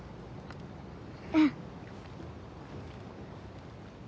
うん。